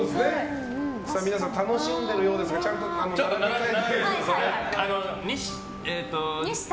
皆さん楽しんでいるようですがちゃんと並べてくださいね。